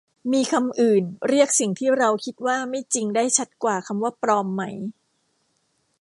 มีคำอื่นเรียกสิ่งที่เราคิดว่าไม่จริงได้ชัดกว่าคำว่า ปลอม ไหม